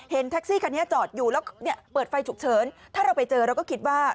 แท็กซี่คันนี้จอดอยู่แล้วเนี่ยเปิดไฟฉุกเฉินถ้าเราไปเจอเราก็คิดว่า